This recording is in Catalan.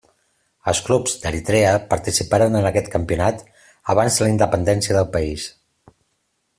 Els clubs d'Eritrea participaren en aquest campionat abans de la independència del país.